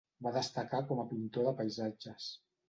Va destacar com a pintor de paisatges.